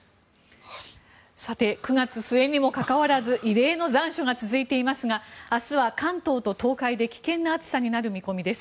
９月末にもかかわらず異例の残暑が続いていますが明日は関東と東海で危険な暑さになる見込みです。